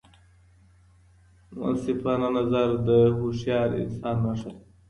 منصفانه نظر د هوښیار انسان نښه ده.